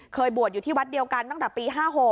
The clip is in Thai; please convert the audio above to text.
บวชอยู่ที่วัดเดียวกันตั้งแต่ปี๕๖